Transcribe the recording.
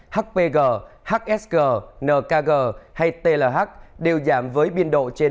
hpg hsg nkg hay tlh đều giảm với biên độ trên một